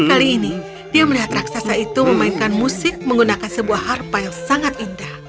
kali ini dia melihat raksasa itu memainkan musik menggunakan sebuah harpa yang sangat indah